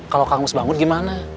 kalau kang mus bangun gimana